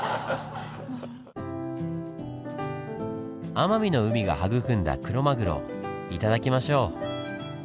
奄美の海が育んだクロマグロ頂きましょう！